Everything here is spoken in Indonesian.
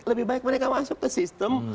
lebih baik mereka masuk ke sistem